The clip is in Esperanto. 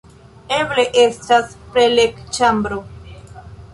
Eble estas preleg-ĉambro